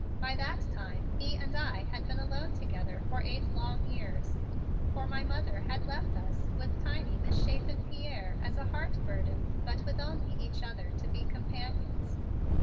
By that time he and I had been alone together for eight long years, for my mother had left us with tiny, misshapen Pierre as a heart burden but with only each other to be companions.